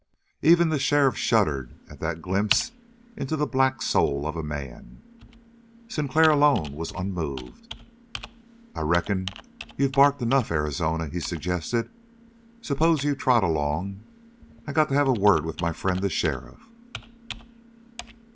Even the sheriff shuddered at that glimpse into the black soul of a man; Sinclair alone was unmoved. "I reckon you've barked enough, Arizona," he suggested. "S'pose you trot along. I got to have words with my friend, the sheriff."